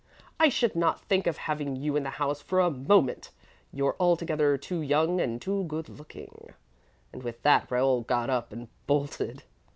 'I should not think of having you in the house for a moment. You're altogether too young and too good looking.' And with that Raoul got up and bolted.